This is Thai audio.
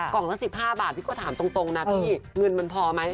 ละ๑๕บาทพี่ก็ถามตรงนะพี่เงินมันพอไหม